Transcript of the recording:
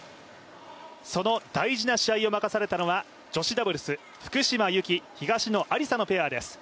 その大事な試合を任されたのは女子ダブルス福島由紀、東野有紗のペアです。